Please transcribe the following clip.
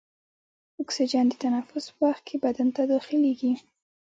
اکسیجن د تنفس په وخت کې بدن ته داخلیږي.